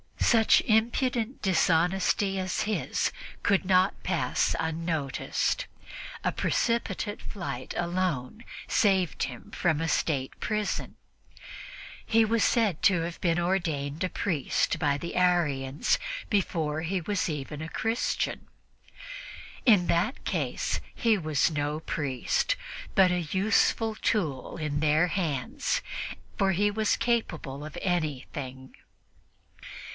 Such impudent dishonesty as his could not pass unnoticed; a precipitate flight alone saved him from a State prison. He was said to have been ordained a priest by the Arians before he was even a Christian. In that case he was no priest, but a useful tool in their hands, for he was capable of anything.